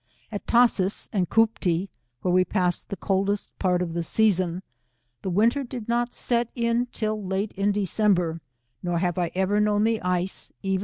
At Tashees and Cooptee, where we passed the coldest part 177 of the season, the winter did not set io till late in December, nor have I ever known the ice, even.